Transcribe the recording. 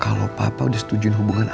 kalau papa udah setuju hubunganmu